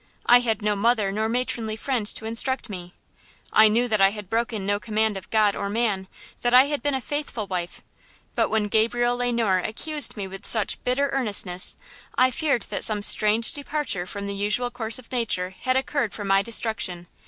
I had no mother nor matronly friend to instruct me. I knew that I had broken no command of God or man; that I had been a faithful wife, but when Gabriel Le Noir accused me with such bitter earnestness I feared that some strange departure from the usual course of nature had occurred for my destruction.